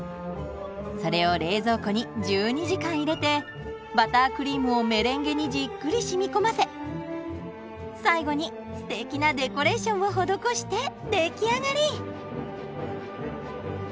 それを冷蔵庫に１２時間入れてバタークリームをメレンゲにじっくりしみこませ最後にすてきなデコレーションを施して出来上がり。